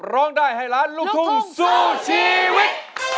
ร้องได้ให้ล้านลูกทุ่งสู้ชีวิต